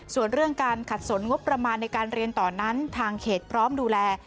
ส่วนเรื่องการขัดสนงบประมาณในการเรียนต่อนั้นทางเขตพร้อมดูแล